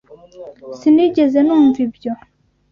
Sinigeze numva ibyo.